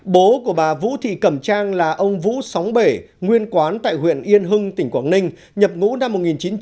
bố của bà vũ thị cẩm trang là ông vũ sóng bể nguyên quán tại huyện yên hưng tỉnh quảng ninh nhập ngũ năm một nghìn chín trăm bảy mươi